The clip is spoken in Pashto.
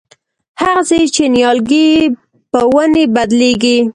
هغسې چې نیالګی په ونې بدلېږي.